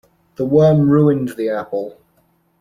The worm ruined the apple.